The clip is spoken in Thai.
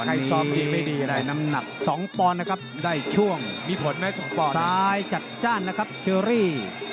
ใครซอมดีไม่ดีอะไรนะครับวันนี้ในน้ำหนักสองปอนนะครับได้ช่วงสายจัดจ้านนะครับเชอรี่